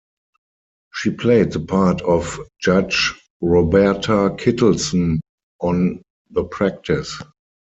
She played the part of Judge Roberta Kittleson on "The Practice".